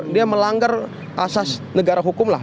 dia melanggar asas negara hukum lah